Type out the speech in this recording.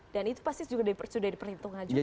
dan itu pasti sudah diperhitungkan juga